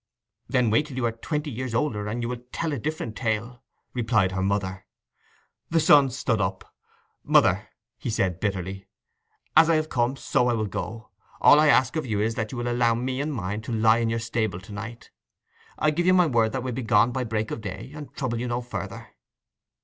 'Wait till you are twenty years older and you will tell a different tale,' replied her mother. The son stood up. 'Mother,' he said bitterly, 'as I have come, so I will go. All I ask of you is that you will allow me and mine to lie in your stable to night. I give you my word that we'll be gone by break of day, and trouble you no further!